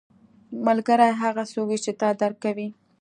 ملګری هغه څوک وي چې تا درک کوي